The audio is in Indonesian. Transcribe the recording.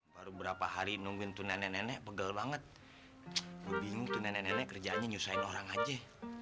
baru berapa hari nungguin tunai nenek pegel banget bingung tunai nenek kerjaan nyusahin orang aja